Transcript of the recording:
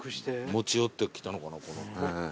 持ち寄ってきたのかな。